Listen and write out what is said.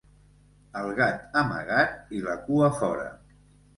El gat amagat i la cua fora.